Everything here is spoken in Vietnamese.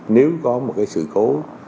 nếu có một cái sự cố